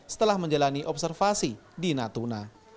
setelah menjalani observasi di natuna